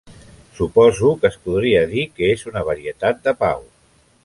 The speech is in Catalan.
Suposo que es podria dir que és una varietat de pau.